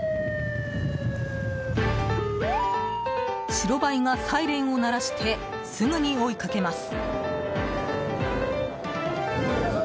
白バイがサイレンを鳴らしてすぐに追いかけます。